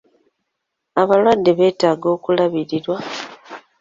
Abalwadde beetaaga okulabirirwa.